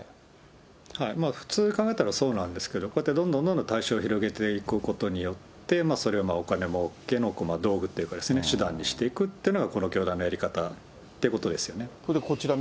普通に考えたらそうなんですけど、こうやってどんどんどんどん対象を広げていくことによって、それをお金もうけの道具っていうか、手段にしていくというのがこの教団のやり方ってことですよね。